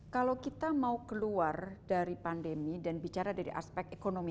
kalau kita mau keluar dari pandemi dan bicara dari aspek ekonomi